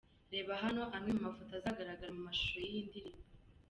Reba hano amwe mu mafoto azagaragara mu mashusho y'iyi ndirimbo.